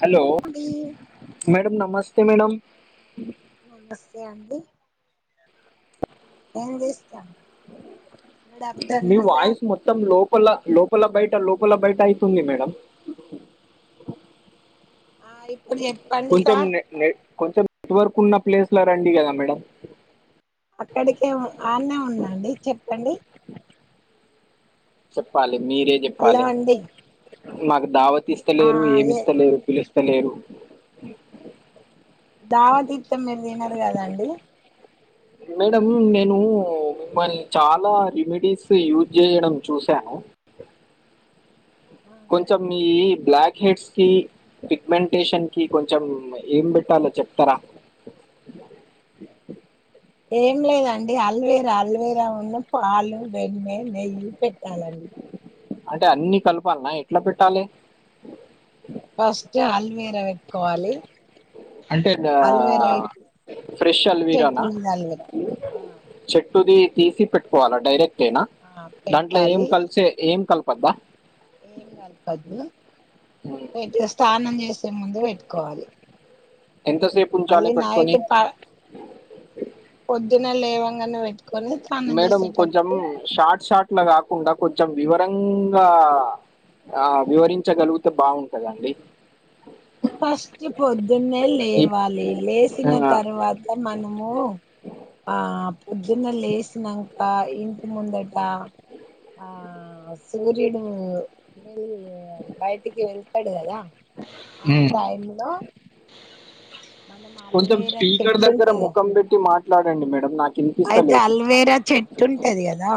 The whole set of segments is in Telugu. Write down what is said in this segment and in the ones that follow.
హలో అండి మేడమ్ నమస్తే మేడమ్. నమస్తే అండి. ఏమి చేస్తుండ్రు గుడ్ మీ ఆఫ్టర్నన్ స. వాయిస్ మొత్తం లోపల లోపల బయట లోపల బయట అయితుంది మేడం. ఆ ఇప్పుడు చెప్పండి కొంచెం సార్ నే నే. కొంచెం నెట్వర్క్ ఉన్న ప్లేస్ లో రండి కదా మేడం. అక్కడికె అడ్నే ఉందండి చెప్పండి. చెప్పాలి మీరే హలో చెప్పాలి అండి మాకు దావత్. ఆ ఇస్తలేరు ఏ ఏమిస్తలేరు పిలుస్తలేరు. దావాతీర్థం ఏం తినరు కదాండి. మేడమ్ను నేను. మిమ్మల్ని చాలా రెమెడీస్ యూజ్ చేయడం చూశాను. కొంచెం ఈ బ్లాక్ హెడ్స్ కి సిగ్మెంటేషన్ కి కొంచెం ఏం పెట్టాల లో చెప్తారా ఏం లేదండి అల్వేరా అల్వేరా ఉన్న పాలు వెన్నె నెయ్యి పెట్టాలండి అంటే అన్ని కలపాలనా ఎట్లా పెట్టాలి ఫస్ట్ అల్వేరా పెట్టుకోవాలి అంటే అల్వేరా పెట్టి ఫ్రెష్ చెట్టు అల్విరానా మీద అల్వేరా ఆ చెట్ టుది తీసి పెట్టుకోవాలా డైరెక్ట్ ఏనా ఆ దాంట్లో ఏం కలిసే ఏం కలపద్దా ఏమ్ కలపద్దు ఉమ్. పెట్ స్నానం చేసే ముందు పెట్టుకోవాలి ఎంతసేపు ఉంచాలి మళ్ళీ పెట్టుకొని పోదునే లేవంగాను వెట్ మేడం కొంచెం షార్ట్ షాట్ కాకుండా కొంచెం వివరంగా ఆ వివరించగలిగితే బాగుంటదండి ఫస్ట్ పొద్దున్నే ఈ- లేవాలి ఆ, లేసిన తర్వాత మనము ఆ పొద్దున్న లేసినాక ఇంటి ముందట ఆ సూర్యుడు బయటికి వెళ్తాడు కదా ఆ ఉమ్. టైం లో మనం కొంచెం అల్వేరా స్పీకర్ చెట్టు దగ్గర ఉంటాయిగద ముఖం పెట్టి మాట్లాడండి మేడం నాకు అయితే వినిపిస్తలేదు అల్వేరా చెట్టు ఉంటది కదా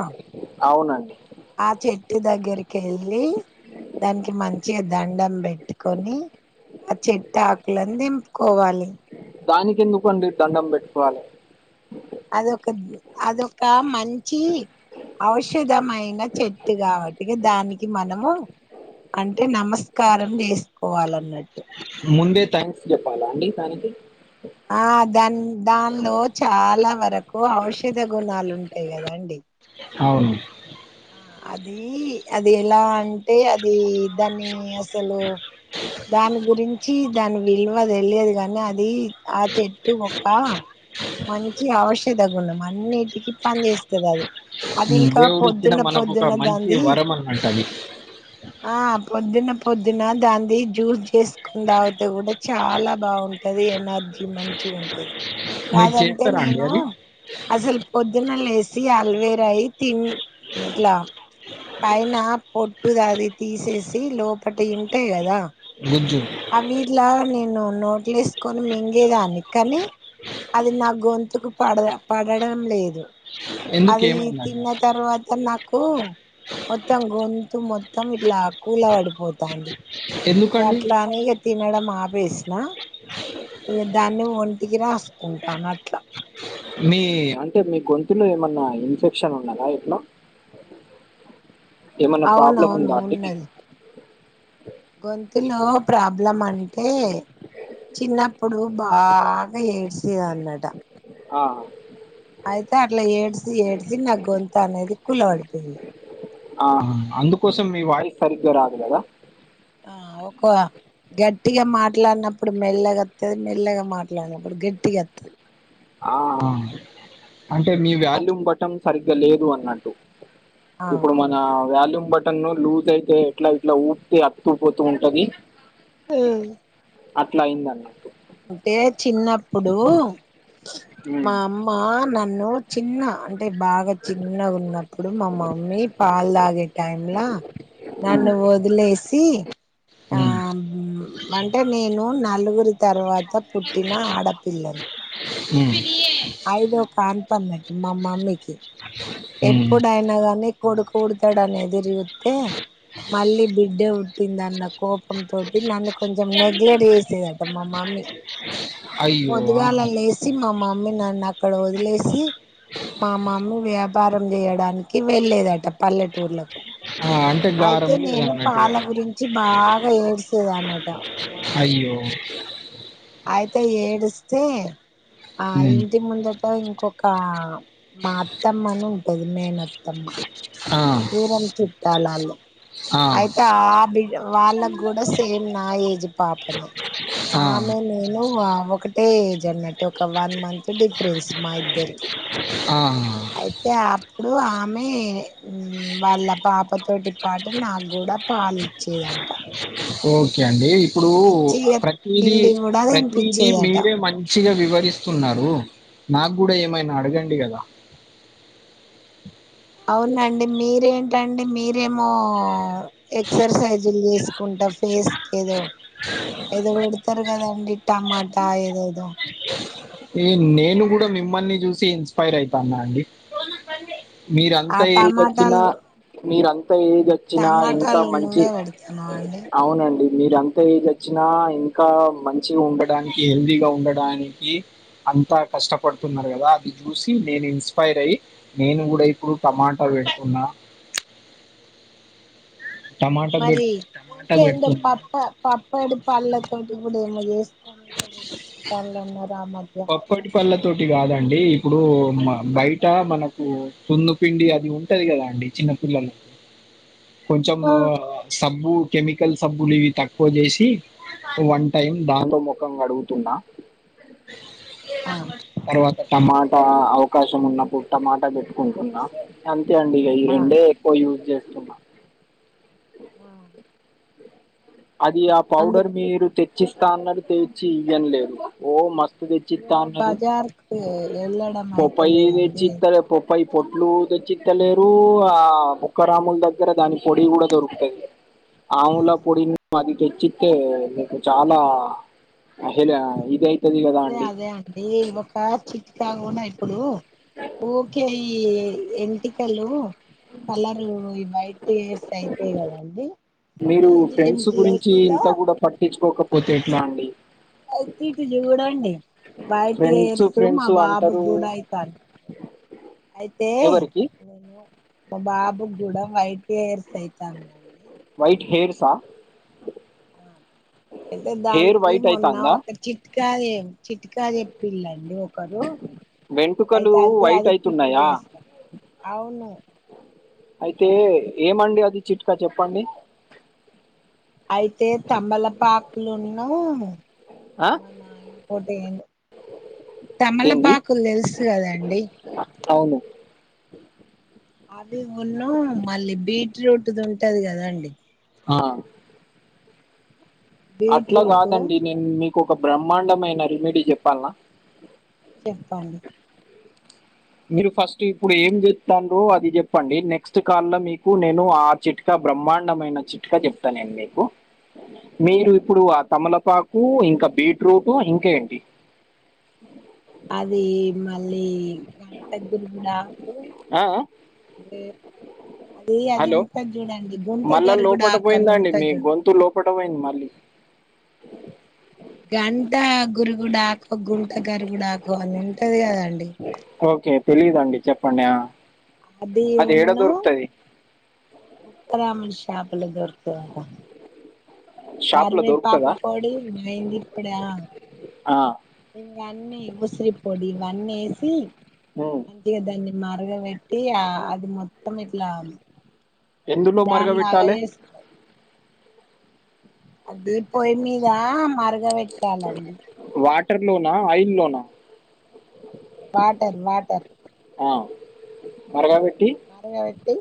అవునండి ఆ చెట్టు దగ్గరికి ఎల్లీ దానికి మంచిగా దండం పెట్టుకొని ఆ చెట్టు ఆకులను దేపుకోవాలి దేంపుకోవాలి దానికి ఎందుకుండి దండం పెట్టుకోవాలి అదొక అదొక మంచి ఔషధమైన చెట్టు కాబట్టి దానికి మనము అంటే నమస్కారం చేసుకోవాలన్నట్టు ముందే థ్యాంక్స్ చెప్పాలా అండి దానికి ఆ దాని దానిలో చాలా వరకు ఔషధ గుణాలు ఉంటాయి కదా అండి అవును ఆ అదీ అది ఎలా అ అంటే అది దాన్ని అసలు దాని గురించి దాని విలువది వెళ్లియదు కాని అది ఆ చెట్టు ఒక మంచి అవుషా గుణం అన్నిటికిీ పని చేేస్తది అది అది ఇంకా దేవుడు ఇచ్చిన పొద్దున్న మనకు ఒక పొద్దున్న మంచి దాంది వరం అనమాట అది పొద్దున పొద్దున దాది జ్యూస్ చేసుకున్న తావాత కూడా చాలా బాగుంటంది ఎనర్జీ అ మంచి ఉంటది మీరు కాదంటే చేస్తారా అండి నేను అది అసలు పొద్దున్న లే వేసి అల్వేరా అయి తి ఇట్లా పైన పొట్టుది అది తీసేసి లోపలిటి ఉంటాయి కదా గుజ్జు అవి ఇలా నేను నోట్లు వేసుకొని మింగేదాన్ని కానీ అది నా గొంతుకు పడ పడడం లేదు ఎందుకు అది ఏమైందండి తిన్న తర్వాత నాకు మొత్తం గొంతు మొత్తం ఇట్లా కూలా పడిపోతుంది ఎందుకండి గట్లానేక తినడ మా వేస్న ఇక దాన్ని ఒంటికి రాసుకుంటాను అట్లా మీ అంటే మీ గొంతులో ఏమన్నా ఇన్ఫెక్షన్ ఉన్నాదా ఇట్లా ఏమన్నా ప్రాబ్లం అవునవును ఉందా అండి మీకు ఉన్నది గొంతులో ప్రాబ్లం అంటే చిన్నప్పుడు బాగా ఏడ్చేదన్నట ఆ అయితే అట్లా ఏడ్చి ఏడ్చి నా గొంతానేది కుళ్లాబడిపోయింది ఆహా అందుకోసం మీ వాయిస్ సరిగ్గా రాదు కదా ఆ ఒక్క గట్టిగా మాట్లాడినప్పుడు మెల్లగా వత్తది మెల్లగా మాట్లాడినప్పుడు గట్టిగా వత్తది ఆ అంటే మీ వేల్యూమ్ బటన్ సరిగ్గా లేదు అన్నట్టు అట్లా ఇప్పుడు ఉమ్ మన వ్యాల్యూమ్ బటన్ను లూజ్ అయితే ఎట్లా ఇట్లా ఊపితే అతుకుపోతూ ఉంటంది అ అట్లా అయిందన్నట్టు అంటే చిన్నప్పుడు మా ఉమ్, అమ్మ నన్ను ఎన్నో చిన్న అంటే బాగా చిన్న ఉన్నప్పుడు మా మమ్మీ పాలు తాగే టైంలా నన్ను వదిలేసి ఆ అంటే నేను నలుగురి తర్వాత పుట్టిన ఆడపిల్లను ఉ ఐదో కన్ఫన్మాట మా మమ్మీకి ఉమ్. ఎప్పుడయినా గానీ కొడుకు పుడతాడని ఎదురుచూతే మళ్ళీ బిడ్డ పుట్టిందన్న కోపం తోటి నన్ను కొంచెం నెగ్లెక్ట్ చేసేదాటా మామ మి అయ్యో ఆహా. పొద్దుగాల లేస్ సి మా మమీ నన్ను అక్కడ వదిలేసి మా మమీ వ్యా వ్యాపారం చేయడానికి వెళ్ళలేదట పల్లెటూర్లకు ఆ, అంటే అయితే గారం నేను లేదన్నట్టుగా పాల గురించి బాగా ఏడ్చేదనట అయ్యో అయితే ఏడుస్తే ఆ ఉమ్. ఇంటి ముందు ఇంకొక మా అత్తమ్మని ఉంటది మేన్ అత్తమ్మ ఆ, దూరం చుట్టలాలు ఆ, అయితే ఆ బిడ్ వాళ్ళకి కూడా సేమ్ నా ఏజ్ పాపనే ఆ, ఆమె నేను ఒకటే ఏజ్ అన్నట్టు ఒక వన్ మంత్ డిఫరెన్స్ మా ఇద్దరికి ఆ. అయితే ఇప్పుడు ఆమె వాళ్ళ పాపతోటి పాటు అంటే నాకు గుడా పాలిచేదంట ఓకే అండి ఇప్పుడు ప్రతిది తిండి కూడా ప్రతిది తినిపించేదట మీరే మంచి మంచిగా వివరిస్తున్నారు నాకు కూడా ఏమైనా అడగండి కదా అవునండి మీరేంటండి మీరేమో ఎక్సర్సైజులు చేసుకుం డ ఫేస్కేదో ఏదో పెడతారు కదండి టమాటా ఏదోదో ఎ నేను కూడా మిమ్మల్ని చూసి ఇన్స్పైర్ అయితాన్నా అండి ఆ మీరంతా ఏజ్కొచ్చిన టమాటాలు మీర ఎంత ఏజ్ వచ్చినా ఇంకా టమాటాలు మంచి నువ్వే పెడతాన్నావా అండి అవునండి మీర అంత ఏజ్ వచ్చినా ఇంకా మంచిగా ఉండడానికి, హెల్దీగా ఉండడానికి అంతా కష్టపడుతున్నారు కదా అది చూసి నేను ఇన్స్పైర్ అయి నేను కూడా ఇప్పుడు టమాటో అక్కడ పెట్టుకున్నా మరి టమాటా ఇంకేందో పెడుతున్నా పప్ప పప్పడి పళ్ళతోటి కూడా ఏమో చేస్త మధ్య పప్పటి పళ్ళ తోటి కాదండి ఇప్పుడు మ బయట మనకు సున్ను పిండి అది ఉంటుంది కదా అండి చిన్నపిల్లలు కొంచెం సబ్బు కెమికల్ సబ్బులు ఇవి తక్కువ చేసి వన్ టైమ్ దాంతో ముఖం గడుగుతున్నా ఆ తర్వాత టమాటా అవకాశం ఉన్నప్పుడు టమాటా పెట్టుకుంటున్నా టన్ అంతే అండి ఇ ఈ ఆ రెండే ఎక్కువ యూజ్ చేస్తున్నా ఆ అది ఆ పౌడర్ మీరు తెచ్చిస్తా అన్నట్ తెచ్చి ఇవ్వం లేదు ఓ మస్ తెచ్చిత్త ఇగో అన్నారు బజార్కి వెళ్ళడం పప్పయి అయితలేదండి తెచ్చిత్త పప్పయి పొట్ ఇట్లు తెచ్చిత్తలేరు ఆ ముక్క రాముల దగ్గర దాని పొడి కూడా దొరుకుతది. ఆవుల పొడి అది తెచ్చితే చాలా ఇడ ఇదై అదే అదే అండి ఒక చిట్ కాండా ఇప్పుడు ఓకే ఈ ఎంటికలు కలరు ఈ వైట్ ఇయర్స్ అయితే కదండి మీరు ఏజ్ లిమిట్ లేకుండా కోకపోతే ఎట్లా అండి అయితిట్ జుడా అండి బయటి ఫ్రెండ్స్ ఎత్తుమ్ మా ఫ్రెండ్స్ బాబు అంటారు కూడా అయితాది. అయితే ఎవరికి నేను మా బాబు గూడ వై ఎయిర్స్ అయితందండి వైట్ హెయిర్సా అయితే హెయిర్ దానికి వైట్ మొన్న అయితాందా ఒక చిట్కా ఏమి చిట్ ఇ కాదు చెప్పిల్లండి ఒ కదో వెంట్రుకలు అయితే అది వైట్ అది ప్రిపేర్ అయితున్నాయా చేస్తా అవును అయితే ఏమండి అది చిట్కా చెప్పండి అయితే తమలపాకులు ఉన్నావు ఆ మనా ఇంకోటి ఏంది ఏంది తమలపాకులు తెలుసు కదండి అవును అవి ఉన్న మళ్ళీ బీట్రూట్ది ఉంటది కదా అండి ఆ అట్లా బీట్రూట్ కాదండి నేను మీకు ఒక బ్రహ్మాండమైన రెమెడీ చెప్పాలనా చెప్పండి మీరు ఫస్ట్ ఇప్పుడు ఏం చెప్తారో అది చెప్పండి నెక్స్ట్ కాల్ లో మీకు నేను ఆ చిట్కా బ్రహ్మాండమైన చిట్కా చెప్తానండి మీకు మీరు ఇప్పుడు ఆ తమలపాకు ఇంకా బీట్రూట్ ఇంక ఏంటి ఆ అది మళ్ళీ గంట గురువిడాకు ఆ? దే హలో మళ్ళా లోపట గరుగుడాకు అని పోయిందండి ఉంటది మీ చూడండి గొంతు లోపట పోయింది మళ్ళీ అ గంట గురుగుడాకో గుంట గరుగుడాకో అని ఉంటది కదండి. ఓకే తెలీదుండి చెప్పండి ఆ అది ఏడ ఉన్నా దొరుకుతుంది ప్రషా అందులో దొరుకుతదంట షాప్లో కరివేపాకు దొరుకుతుందా పొడి మయంగిప్పుడా ఆ, ఇంకా ఉసిరి పొడి ఇవన్నీ వేసి ఉమ్. మంచిగ దన్ న్ని మరగ పెట్టి ఆ అది మొత్తం ఇట్లా ఎందులో దానిలాగా మరగబెట్టాలి చేస్తురు అదే పొయ్యి మీద మరగ పెట్టాలండి వాటర్లోనా ఆయిల్లోనా వాటర్ వాటర్ ఆ మరగ మరగవెట్టి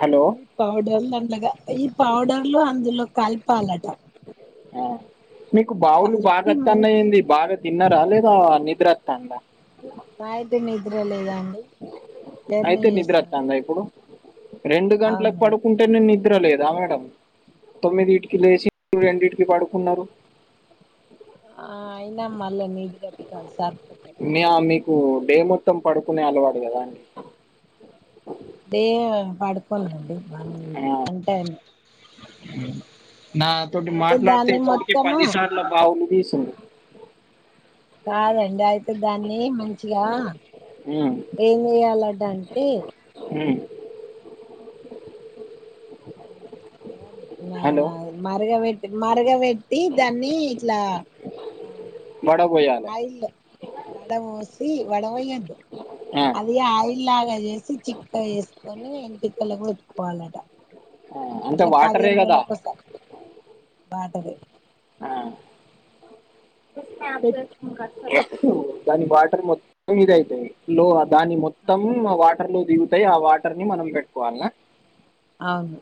హలో ఈ పౌడర్లు అండగా ఈ పౌడర్లు అందులో కలిపాలట ఆ. మీకు బావులు మంచి బాగవత్తాన్నయింది బాగా తిన్నారా లేదా నిద్రత్తాంద నా అయితే మీద్ర లేదా అండి అయితే నిద్ర వత్తాందా ఇప్పుడు రెండు గంటలకు అవును పడుకుంటే నేను నిద్ర లేదా మేడం తొమ్మిది ఇటికి లేసి రెండింటికి పడుకున్నారు ఆ అయినా మళ్ల నిద్ర వత్తాంది సర్ మీ- ఆ, మీకు డే మొత్తం పడుకునే అలవాటు కదా తే పడుకోలండి వన్ వీక్ అంటై అ నాతోటి అయితే మాట్లాడితే దాన్ని ఇప్పటికే మొత్తము పదిసార్లు బావులు తీసుంది కాదండి అయితే దాన్ని మంచిగా ఉమ్, ఏం జేయ్యాలడ అంటే ఉమ్. అ నా హలో మరగబెట్టి మరగబెట్టి దాన్ని ఇట్లా ఆ మ ఆయిల్ వడవోసి వడఓయ్యద్దు ఆ, అది ఆయిల్ ఆగా చిక్కగ వేసుకొని ఎంటికలకు పెట్టుకోవాలంట ఆ, అంటే అట్ల వాటరే పదిహేను కదా రోజుల కోసం బాంటది ఆ. దాని వాటర్ మొత్తం ఇద అయితైలో దాన్ని మొత్తం వాటర్లో దిగుతయ్ ఆ వాటర్ ని మనం పెట్టుకోవాలనా అవును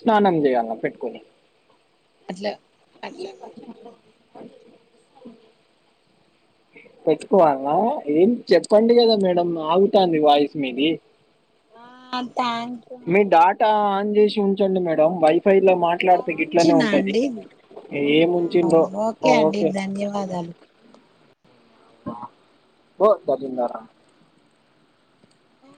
స్నానం జేయాల పెట్టుకొని అట్లా అట్లా పెట్టుకుంటే అ పెట్టుకోవాల ఏం చెప్పండి కదా మేడం ఆగుతాంది వాయిస్ మీది ఆ థ్యాంక్ యూ మీ అండి డాటా ఆన్ చేసి ఉంచండి మేడం వైఫైలో ఆ మాట్లాడితే గిట్లనే ఉంచినా ఉంటది అండి ఏ ఆ ముంచిందో అండి ఓకే ధన్యవాదాలు పో జగిందార అ